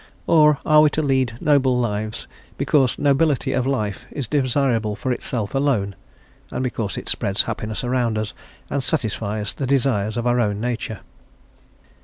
Or are we to lead noble lives because nobility of life is desirable for itself alone, and because it spreads happiness around us and satisfies the desires of our own nature?